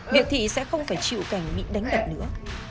viện thị sẽ không phải chịu cảnh bị đánh đập nữa